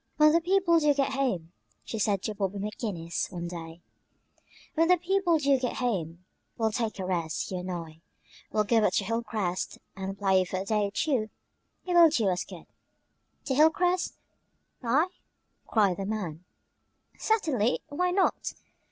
"When the people do get home," she said to Bobby McGinnis one day, "when the people do get home, we'll take a rest, you and I. We'll go up to Hilcrest and just play for a day or two. It will do us good." "To Hilcrest? I?" cried the man. "Certainly; why not?"